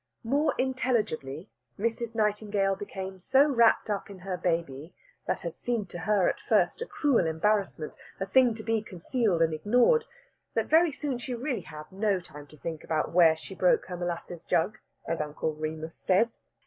More intelligibly, Mrs. Nightingale became so wrapped up in her baby, that had seemed to her at first a cruel embarrassment a thing to be concealed and ignored that very soon she really had no time to think about where she broke her molasses jug, as Uncle Remus says.